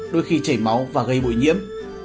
đôi khi chảy máu và gây bụi nhiễm